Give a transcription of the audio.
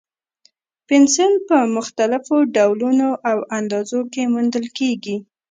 پنسل په مختلفو ډولونو او اندازو کې موندل کېږي.